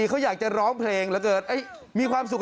โอ้ยน้ำแรงมากเลย